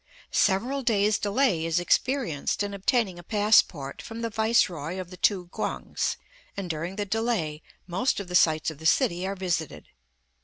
Several days' delay is experienced in obtaining a passport from the Viceroy of the two Quangs, and during the delay most of the sights of the city are visited.